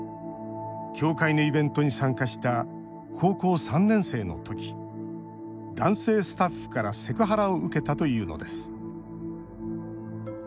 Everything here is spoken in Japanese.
教会のイベントに参加した高校３年生の時男性スタッフからセクハラを受けたというのです。